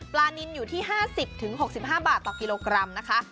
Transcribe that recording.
นินอยู่ที่๕๐๖๕บาทต่อกิโลกรัมนะคะ